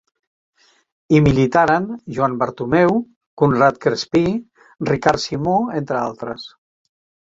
Hi militaren Joan Bartomeu, Conrad Crespí, Ricard Simó, entre altres.